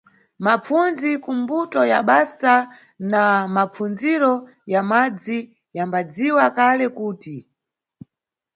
Mapfundzi kumbuto ya basa na mapfundziro ya madzi, yambadziwa kale kuti.